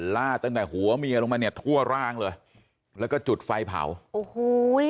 ลาดตั้งแต่หัวเมียลงมาเนี่ยทั่วร่างเลยแล้วก็จุดไฟเผาโอ้โห